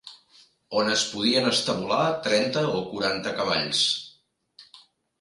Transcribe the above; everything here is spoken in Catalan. On es podien estabular trenta o quaranta cavalls